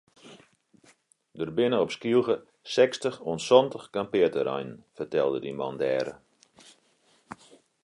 Der binne op Skylge sechstich oant santich kampearterreinen fertelde men dêre.